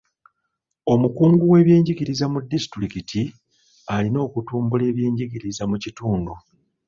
Omukungu w'ebyenjigiriza mu disitulikiti alina okutumbula ebyenjigiriza mu kitundu.